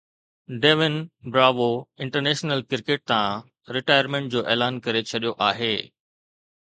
ڊيوين Bravo international cricket تان retirement جو اعلان ڪري ڇڏيو آهي